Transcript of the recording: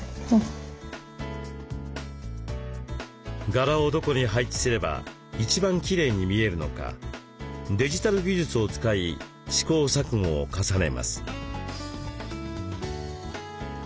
柄をどこに配置すれば一番きれいに見えるのかデジタル技術を使い試行錯誤を重ねます。